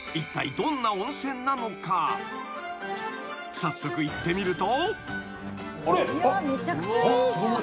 ［早速行ってみると］